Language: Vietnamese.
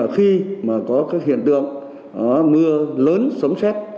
khi có các hiện tượng mưa lớn sống sét